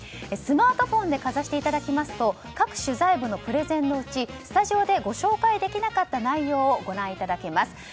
スマートフォンでかざしていただきますと各取材部のプレゼンのうちスタジオでご紹介できなかった内容をご覧いただけます。